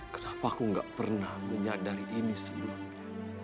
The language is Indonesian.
kenapa aku nggak pernah menyadari ini sebelumnya